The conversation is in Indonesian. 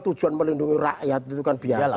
tujuan melindungi rakyat itu kan biasa